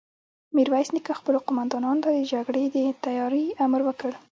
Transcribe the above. ميرويس نيکه خپلو قوماندانانو ته د جګړې د تياري امر وکړ.